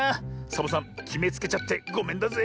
サボさんきめつけちゃってごめんだぜ。